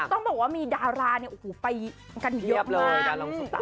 ต้องบอกว่ามีดาราเนี่ยโอ้โหไปกันเยอะเลย